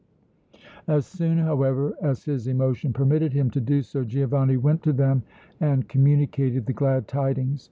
As soon, however, as his emotion permitted him to do so Giovanni went to them and communicated the glad tidings.